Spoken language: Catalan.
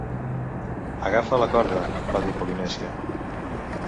"Agafa la corda!", va dir Polynesia.